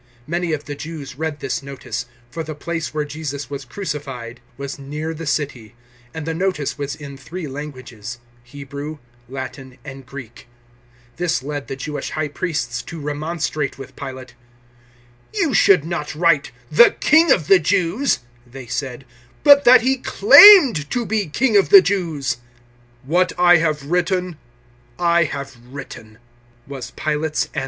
019:020 Many of the Jews read this notice, for the place where Jesus was crucified was near the city, and the notice was in three languages Hebrew, Latin, and Greek. 019:021 This led the Jewish High Priests to remonstrate with Pilate. "You should not write `The King of the Jews,'" they said, "but that he claimed to be King of the Jews." 019:022 "What I have written I have written," was Pilate's answer.